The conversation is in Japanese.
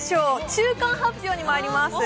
中間発表にまいります。